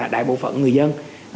đại bộ phận người dân